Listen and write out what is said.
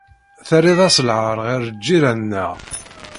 Terriḍ-aɣ d lɛar ɣer lǧiran-nneɣ.